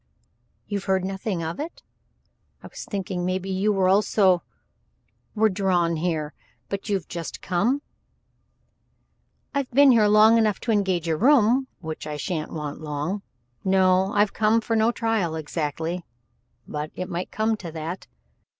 "You've heard nothing of it? I was thinking maybe you were also were drawn here you've but just come?" "I've been here long enough to engage a room which I shan't want long. No, I've come for no trial exactly maybe it might come to that